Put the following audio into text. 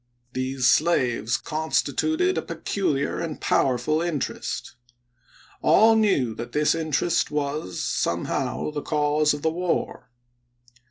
These slaves constituted a peculiar and powerful interest. All knew that this interest was, somehow, the cause of the war.